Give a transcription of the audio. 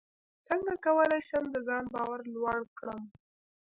څنګه کولی شم د ځان باور لوړ کړم